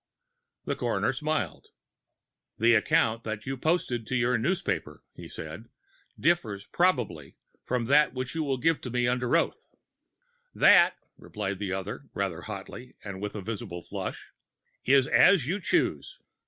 The coroner smiled. "The account that you posted to your newspaper," he said, "differs probably from that which you will give here under oath." "That," replied the other, rather hotly and with a visible flush, "is as you choose.